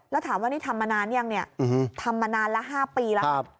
แล้วถามว่านี่ทำมานานยังเนี่ยทำมานานละ๕ปีแล้วครับ